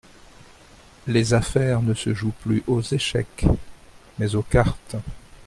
Les affaires ne se jouent plus aux échecs, mais aux cartes.